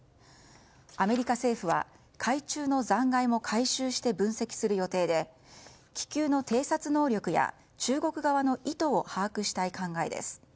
アメリカ政府は海中の残骸も回収して分析する予定で気球の偵察能力や中国側の意図を把握したい考えです。